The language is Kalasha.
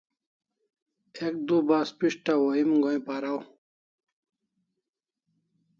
Ek du bas pes'taw o em go'in paraw